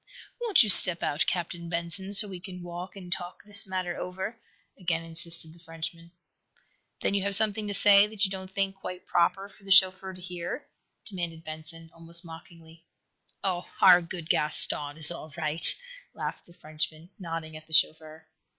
"Won't you step out, Captain Benson, so we an walk and talk this matter over?" again insisted the Frenchman. "Then you have something to say that you don't think quite proper for the chauffeur to hear?" demanded Benson, almost mockingly. "Oh, our good Gaston is all right," laughed the Frenchman, nodding at the chauffeur.